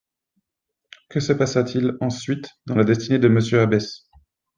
Que se passa-t-il ensuite dans la destinée de M Abbesse